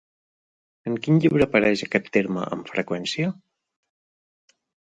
En quin llibre apareix aquest terme amb freqüència?